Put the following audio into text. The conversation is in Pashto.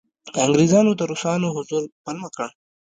انګریزانو د روسانو حضور پلمه کړ.